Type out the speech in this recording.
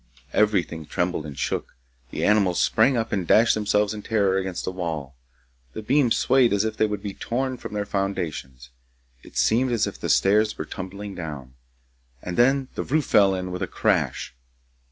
Everything trembled and shook; the animals sprang up and dashed themselves in terror against the wall; the beams swayed as if they would be torn from their foundations, it seemed as if the stairs were tumbling down, and then the roof fell in with a crash.